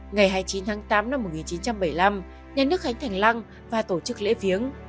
ngày hai mươi chín tháng tám năm một nghìn chín trăm bảy mươi năm nhà nước khánh thành lăng và tổ chức lễ viếng